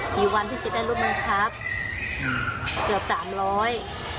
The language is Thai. กี่วันที่จะได้รถบังคับอืมเกือบสามร้อย